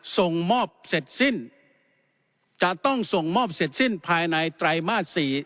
ส่งมอบเสร็จสิ้นจะต้องส่งมอบเสร็จสิ้นภายในไตรมาส๔